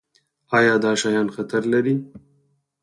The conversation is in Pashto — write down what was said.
ایا دا شیان خطر لري؟